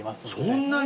そんなに？